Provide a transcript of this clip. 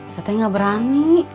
teteh nggak berani